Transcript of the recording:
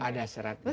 ada seratnya juga